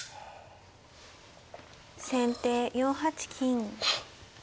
先手４八金。